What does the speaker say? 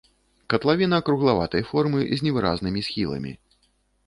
Катлавіна круглаватай формы з невыразнымі схіламі.